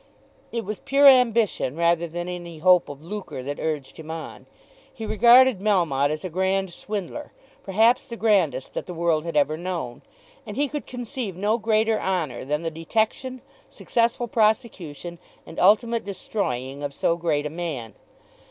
It was pure ambition rather than any hope of lucre that urged him on. He regarded Melmotte as a grand swindler, perhaps the grandest that the world had ever known, and he could conceive no greater honour than the detection, successful prosecution, and ultimate destroying of so great a man.